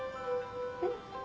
えっ？